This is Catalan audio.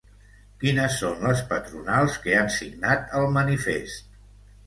Quines són les patronals que han signat el manifest?